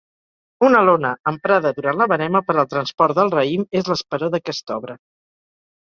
Una lona emprada durant la verema per al transport del raïm és l'esperó d'aquesta obra.